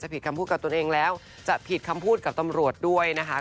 ผิดคำพูดกับตัวเองแล้วจะผิดคำพูดกับตำรวจด้วยนะคะ